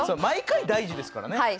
毎回大事ですからね。